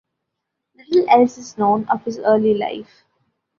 Little else is known of his early life.